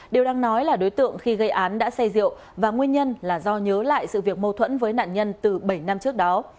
điều đang nói là đối tượng khi gây án đã say rượu và nguyên nhân là do nhớ lại sự việc mâu thuẫn với nạn nhân từ bảy năm trước đó